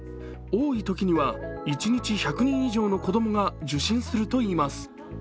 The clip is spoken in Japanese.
多いときには一日１００人以上の子供が受診するといいます。